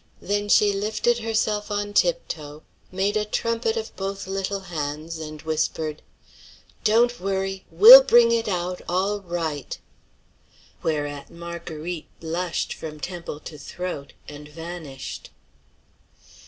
Then she lifted herself on tiptoe, made a trumpet of both little hands, and whispered: "Don't worry! We'll bring it out all right!" Whereat Marguerite blushed from temple to throat, and vanished.